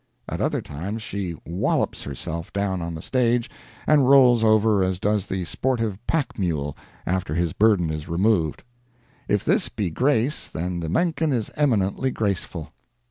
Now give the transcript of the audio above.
At other times she "whallops" herself down on the stage, and rolls over as does the sportive pack mule after his burden is removed. If this be grace then the Menken is eminently graceful.